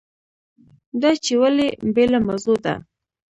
دا چې ولې بېله موضوع ده.